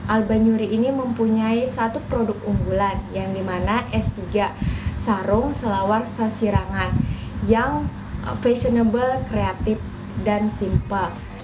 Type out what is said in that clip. al banyuri ini mempunyai satu produk unggulan yang dimana s tiga sarung selawar sasirangan yang fashionable kreatif dan simple